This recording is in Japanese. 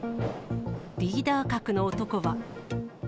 リーダー格の男は。